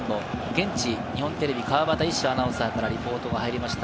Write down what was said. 現地、日本テレビ・川畑一志アナウンサーからリポーターが入りました。